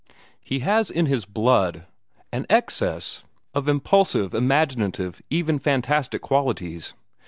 He has in his blood an excess of impulsive, imaginative, even fantastic qualities.